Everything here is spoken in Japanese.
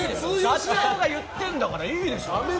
社長が言ってんだからいいでしょ！